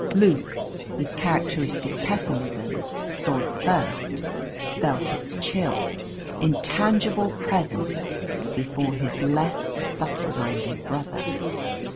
Luke, with characteristic pessimism, saw it first felt its chill, intangible presence before his less subtle minded brother.